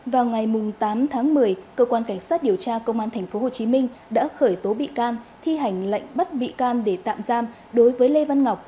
vào ngày tám tháng một mươi cơ quan cảnh sát điều tra công an tp hcm đã khởi tố bị can thi hành lệnh bắt bị can để tạm giam đối với lê văn ngọc